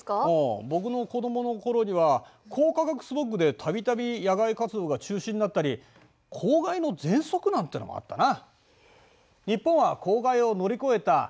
僕の子どもの頃には光化学スモッグでたびたび野外活動が中止になったり公害のぜんそくなんてのもあったな。